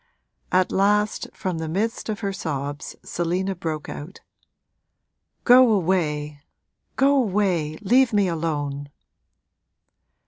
At last from the midst of her sobs Selina broke out, 'Go away, go away leave me alone!'